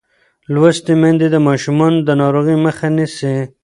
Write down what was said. لوستې میندې د ماشومانو د ناروغۍ مخه نیسي.